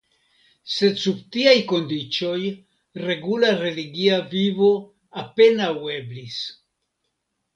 Sed sub tiaj kondiĉoj regula religia vivo apenaŭ eblis.